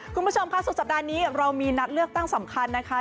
คุณผู้ชมค่ะสุดสัปดาห์นี้เรามีนัดเลือกตั้งสำคัญนะคะ